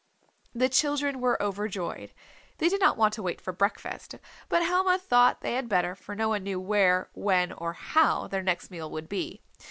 The children were overjoyed. They did not want to wait for breakfast. But Helma thought they had better, for no one knew where, when or how their next meal would be.